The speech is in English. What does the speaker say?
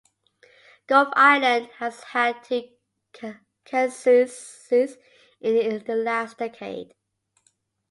Gough Island has had two censuses in the last decade.